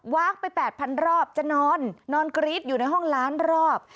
วากไปแปดพันรอบจะนอนนอนกรี๊ดอยู่ในห้องร้านรอบ